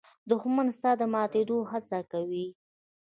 دښمن ستا د ماتېدو هڅه کوي